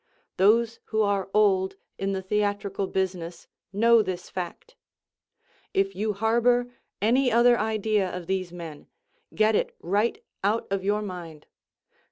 Those who are old in the theatrical business know this fact. If you harbor any other idea of these men, get it right out of your mind.